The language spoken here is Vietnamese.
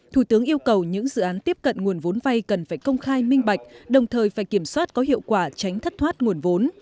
thủ tướng yêu cầu những dự án tiếp cận nguồn vốn vay cần phải công khai minh bạch đồng thời phải kiểm soát có hiệu quả tránh thất thoát nguồn vốn